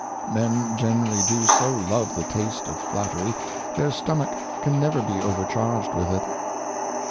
Men generally do so love the Taste of Flatteiy, their Stomach can never be overcharged with it.